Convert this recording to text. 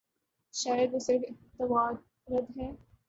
شاید وہ صرف توارد ہے۔